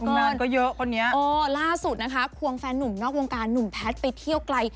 งานก็เยอะคนนี้ล่าสุดนะคะควงแฟนนุ่มนอกวงการหนุ่มแพทย์ไปเที่ยวไกล